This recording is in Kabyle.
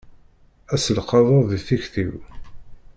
Ad selqaḍeɣ di tikti-w.